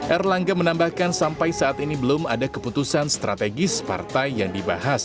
erlangga menambahkan sampai saat ini belum ada keputusan strategis partai yang dibahas